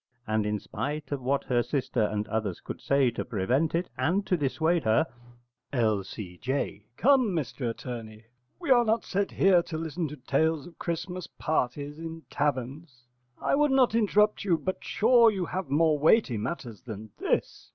And in spite of what her sister and others could say to prevent it and to dissuade her L.C.J. Come, Mr Attorney, we are not set here to listen to tales of Christmas parties in taverns. I would not interrupt you, but sure you have more weighty matters than this.